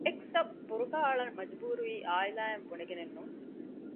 އެކްސް އަށް ބުރުގާ އަޅަން މަޖުބޫރުވީ އާއިލާއިން ބުނެގެނެއް ނޫން